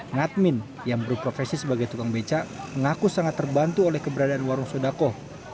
ngadmin yang berprofesi sebagai tukang beca mengaku sangat terbantu oleh keberadaan warung sodako